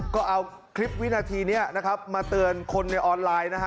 ก็เอาคลิปวินาทีนี้นะครับมาเตือนคนในออนไลน์นะฮะ